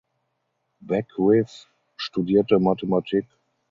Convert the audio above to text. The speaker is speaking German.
Beckwith studierte Mathematik.